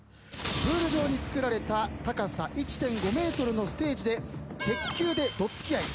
プール上につくられた高さ１．５ｍのステージで鉄球でどつき合い。